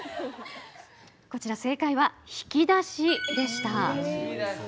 こちら正解は引き出しでした。